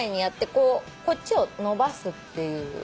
こっちを伸ばすっていう感じ。